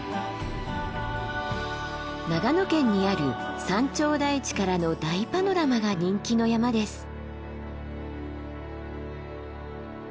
長野県にある山頂台地からの大パノラマが人気の山です。